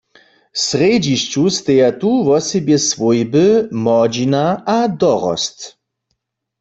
W srjedźišću steja tu wosebje swójby, młodźina a dorost.